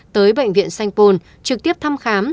tới bệnh viện sanh pôn trực tiếp thăm khám